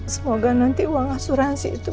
semoga nanti uang asuransi itu